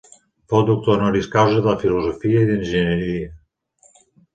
Fou doctor honoris causa de Filosofia i d'Enginyeria.